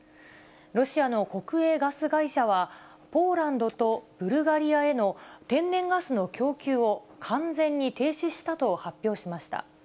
ロシアの国営ガス会社は、ポーランドとブルガリアへの天然ガスの供給を完全に停止したと発表しました。